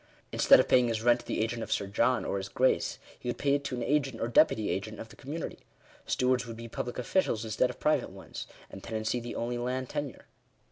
Instead of paying his rent to the agent of Sir John or his Grace, he would pay it to an agent or deputy agent of the community. Stewards would be public officials instead of private ones; and tenancy the only land tenure.